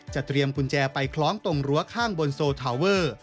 เตรียมกุญแจไปคล้องตรงรั้วข้างบนโซทาเวอร์